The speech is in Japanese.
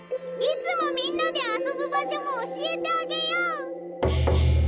いつもみんなで遊ぶ場所も教えてあげよう！